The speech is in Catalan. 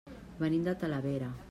Venim de Talavera.